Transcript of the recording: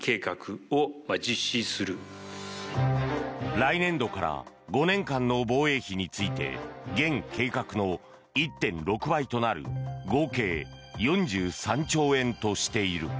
来年度から５年間の防衛費について現計画の１．６倍となる合計４３兆円としている。